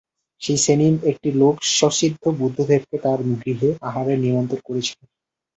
সেই শ্রেণীর একটি লোক সশিষ্য বুদ্ধদেবকে তার গৃহে আহারের নিমন্ত্রণ করেছিল।